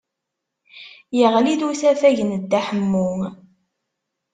Yeɣli-d usafag n Dda Ḥemmu.